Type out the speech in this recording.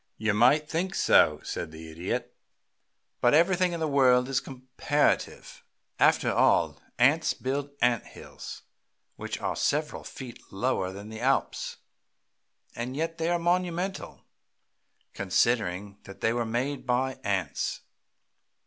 "You might think so," said the Idiot. "But everything in the world is comparative, after all. Ants build ant hills which are several feet lower than the Alps, and yet they are monumental, considering that they were made by ants.